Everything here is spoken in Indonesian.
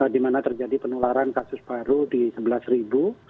di mana terjadi penularan kasus baru di sebelas ribu